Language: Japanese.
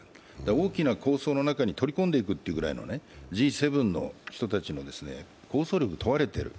大きな構想の中に取り込んでいくくらいのＧ７の人たちも構想力が問われている。